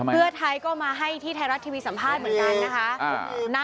เพื่อไทยก็มาให้ที่ไทยรัฐทีวีสัมภาษณ์เหมือนกันนะคะ